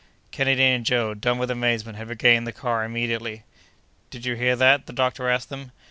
Kennedy and Joe, dumb with amazement, had regained the car immediately. "Did you hear that?" the doctor asked them.